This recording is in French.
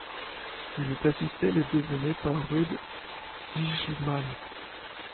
Il est assisté les deux années par Ruud Zijlmans.